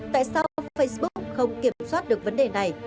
tại sao facebook không kiểm soát được vấn đề này